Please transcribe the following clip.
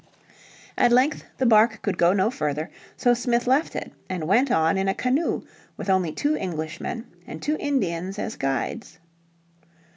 At length the barque could go no further, so Smith left it, and went on in a canoe with only two Englishmen, and two Indians as guides.